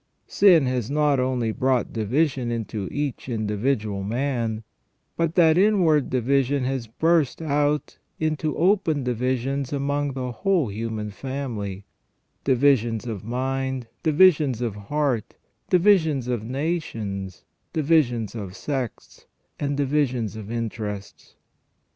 Sin has not only brought division into each individual man, but that inward divi sion has burst out into open divisions among the whole human family : divisions of mind, divisions of heart, divisions of nations, divisions of sects, and divisions of interests.